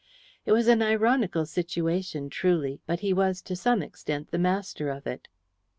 It was an ironical situation, truly, but he was to some extent the master of it.